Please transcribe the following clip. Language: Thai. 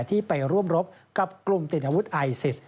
ที่ไปร่วมรบกับกลุ่มติดอาวุธไอซิส